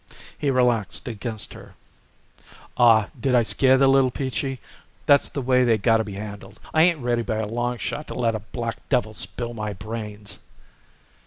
He relaxed against her. "Aw, did I scare the little Peachy? That's the way they gotta be handled. I ain't ready by a long shot to let a black devil spill my brains."